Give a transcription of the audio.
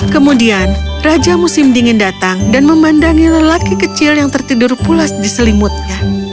kemudian raja musim dingin datang dan memandangi lelaki kecil yang tertidur pulas di selimutnya